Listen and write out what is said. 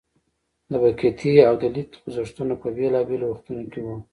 د بکهتي او دلیت خوځښتونه په بیلابیلو وختونو کې وو.